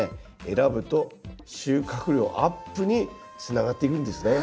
選ぶと収穫量アップにつながっていくんですね。